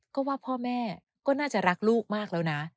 ก็ว่าพ่อแม่ก็น่าจะรักลูกมากแล้วนะ